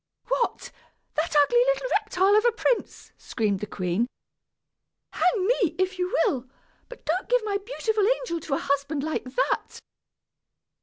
"What! That ugly little reptile of a prince!" screamed the queen. "Hang me, if you will, but don't give my beautiful angel to a husband like that!"